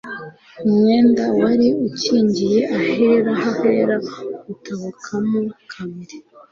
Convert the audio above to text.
umwenda wari ukingiye ahera h'ahera utabukamo kabiri